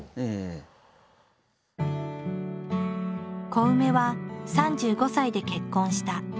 コウメは３５歳で結婚した。